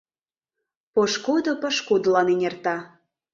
Пошкудо пошкудылан эҥерта.